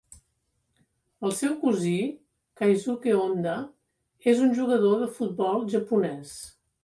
El seu cosí Keisuke Honda és un jugador de futbol japonès.